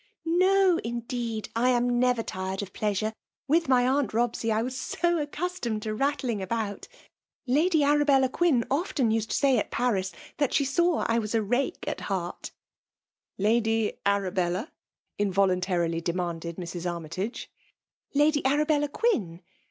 •* No, indeed ; I am never tired of plea 8i6fe. With my aunt Robsey, I was so accus totned to Tattling about ! Lady Arabella €( <S !^34 EBMALB DOMINATION. Qttin used often to say at Parisi that she saw I was a rake at heart." " Lady Arabella ?" involuntarily demanded Mrs. Armytage Lady Arabella Qatn.